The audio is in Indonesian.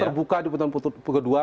terbuka di putaran kedua